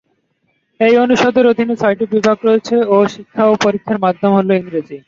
এই অনুষদের অধীনে ছয়টি বিভাগ রয়েছে ও শিক্ষা ও পরীক্ষার মাধ্যম হল ইংরেজি।